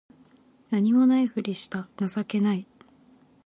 何も無いふりした情けない